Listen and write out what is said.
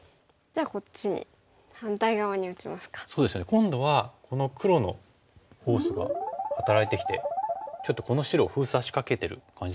今度はこの黒のフォースが働いてきてちょっとこの白を封鎖しかけてる感じですかね。